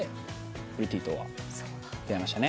プリティとは出会いましたね。